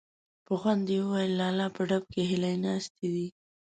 په خوند يې وويل: لالا! په ډب کې هيلۍ ناستې دي.